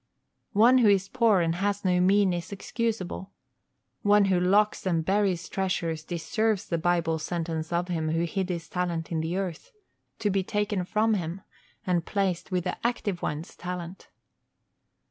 One who is poor and has no means is excusable; one who locks and buries treasures deserves the Bible sentence of him who hid his talent in the earth to be taken from him and placed with the active one's talent.